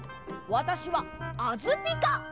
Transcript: わたしはあづピカ！